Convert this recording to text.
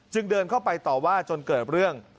เดินเข้าไปต่อว่าจนเกิดเรื่อง